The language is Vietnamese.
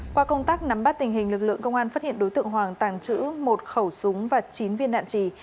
qua công tác nắm bắt tình hình lực lượng công an phát hiện đối tượng hoàng tàng trữ một khẩu súng và chín viên đạn trì